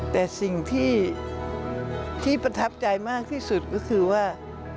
แต่สิ่งที่ประทับใจมากที่สุดก็คือว่า